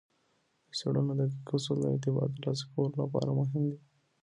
د څیړنو دقیق اصول د اعتبار ترلاسه کولو لپاره مهم دي.